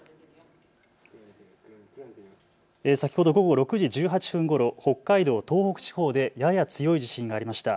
先ほど午後６時１８分ごろ北海道東北地方でやや強い地震がありました。